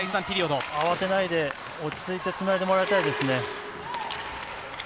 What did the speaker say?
ここで慌てないで、落ち着いてつないでもらいたいですね。